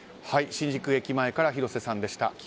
新宿駅前から広瀬さんでした。